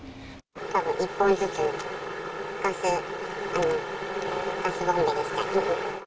たぶん１本ずつ、ガスボンベですか。